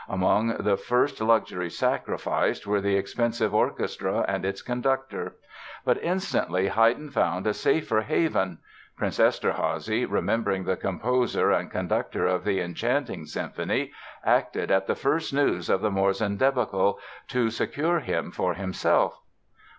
Among the first luxuries sacrificed were the expensive orchestra and its conductor. But instantly Haydn found a safer haven. Prince Eszterházy, remembering the composer and conductor of the enchanting symphony, acted at the first news of the Morzin débacle to secure him for himself.